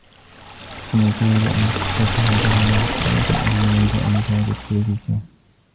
أُمي تريد أن تذهب هناك, ولكن أبي يريد أن يشاهد التليفزيون.